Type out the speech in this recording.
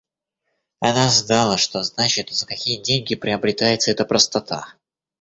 Она знала, что значит и за какие деньги приобретается эта простота.